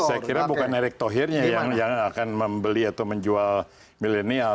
saya kira bukan erik thohir nya yang akan membeli atau menjual milenial